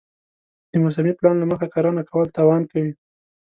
د موسمي پلان له مخې کرنه کول تاوان کموي.